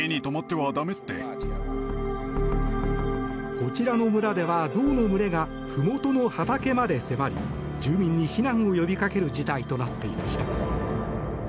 こちらの村では、ゾウの群れがふもとの畑まで迫り住民に避難を呼びかける事態となっていました。